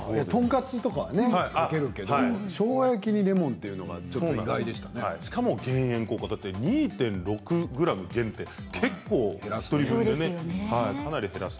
トンカツとかにかけるけどしょうが焼きにレモンというのはしかも減塩効果２．６ｇ減って結構、減ってますよね。